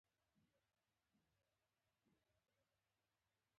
پوښتنه مې وکړه ویل یې دا هغه ځای دی.